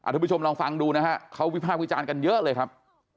ทุกผู้ชมลองฟังดูนะฮะเขาวิภาควิจารณ์กันเยอะเลยครับ